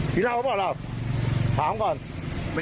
กินเหล้าหรือเปล่าหรือเปล่า